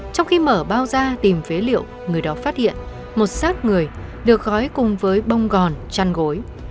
trong khi mở bao ra tìm phế liệu người đó phát hiện một sát người được khói cùng với bông gòn chăn gối